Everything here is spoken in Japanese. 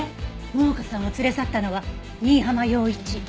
桃香さんを連れ去ったのは新浜陽一。